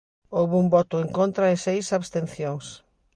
Houbo un voto en contra e seis abstencións.